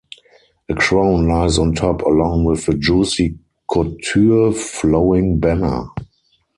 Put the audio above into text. A crown lies on top along with a Juicy Couture flowing banner.